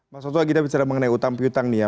mas toto kita bicara mengenai utang piutang nih ya